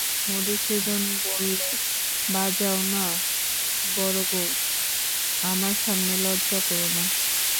মধূসূদন বললে, বাজাও-না বড়োবউ, আমার সামনে লজ্জা কোরো না।